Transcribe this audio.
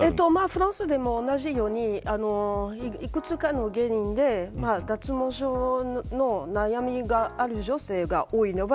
フランスでも同じようにいくつかの原因で脱毛症の悩みがある女性が多いです。